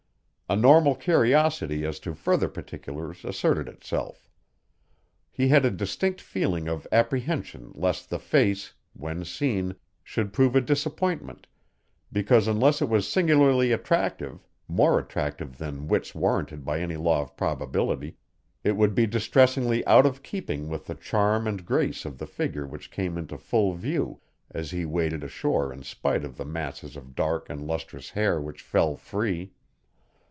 A normal curiosity as to further particulars asserted itself. He had a distinct feeling of apprehension lest the face, when seen, should prove a disappointment, because unless it was singularly attractive more attractive than wits warranted by any law of probability it would be distressingly out of keeping with the charm and grace of the figure which came into full view as he waded ashore in spite of the masses of dark and lustrous hair which fell free.